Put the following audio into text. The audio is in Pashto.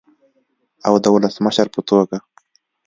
او د ولسمشر په توګه